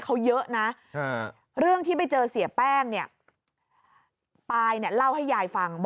เขาเยอะนะเรื่องที่ไปเจอเสียแป้งเนี่ยปายเนี่ยเล่าให้ยายฟัง